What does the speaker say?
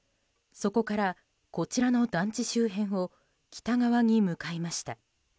そこから、こちらの団地周辺を北側に向かいました。